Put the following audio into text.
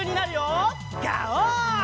ガオー！